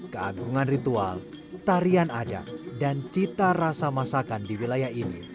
keagungan ritual tarian adat dan cita rasa masakan di wilayah ini